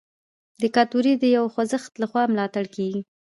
دیکتاتوري د یو خوځښت لخوا ملاتړ کیږي.